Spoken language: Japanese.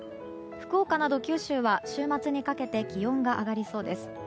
福岡など九州は、週末にかけて気温が上がりそうです。